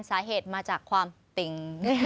สาเหตุมาจากความติ่ง